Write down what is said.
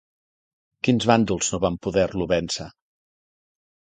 Quins bàndols no van poder-lo vèncer?